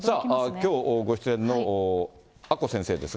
きょうご出演の阿古先生ですが。